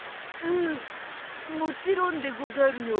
ああもちろんでござるよ。